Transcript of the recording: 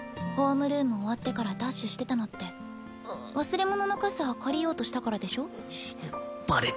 ホームルーム終わってからダッシュしてたのって忘れ物の傘借りようとしたからでしょ？